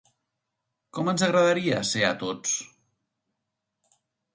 Com ens agradaria ser a tots?